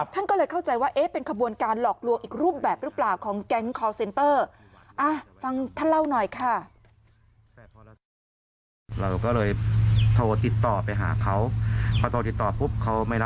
ท่านก็เลยเข้าใจว่าเป็นขบวนการหลอกลวงอีกรูปแบบหรือเปล่าของแก๊งคอร์เซนเตอร์